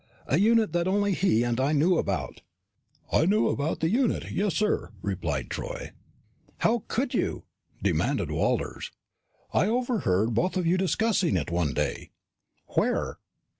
"A unit that only he and I knew about?" "I knew about the unit yes, sir," replied Troy. "How could you?" demanded Walters. "I overheard you both discussing it one day." "Where?"